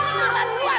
kalian jangan duluan